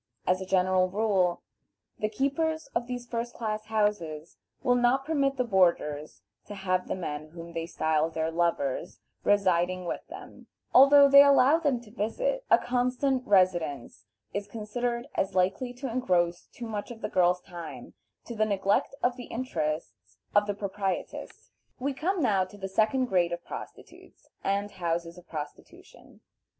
As a general rule, the keepers of these first class houses will not permit the boarders to have the men whom they style their "lovers" residing with them, although they allow them to visit; a constant residence is considered as likely to engross too much of the girl's time to the neglect of the interest of the proprietress. We come now to the second grade of prostitutes and houses of prostitution.